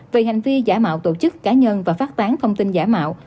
về hành vi giả mạo tổ chức cá nhân và phát tán thông tin giả mạo